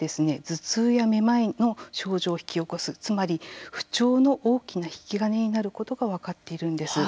頭痛やめまいの症状を引き起こすつまり不調の大きな引き金になることが分かっているんです。